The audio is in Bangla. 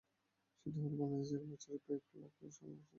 সেটি হলে বাংলাদেশ থেকে বছরে কয়েক লাখ লোকের কর্মসংস্থান হবে মালয়েশিয়ায়।